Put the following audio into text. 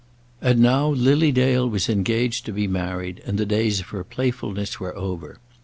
And now Lily Dale was engaged to be married, and the days of her playfulness were over.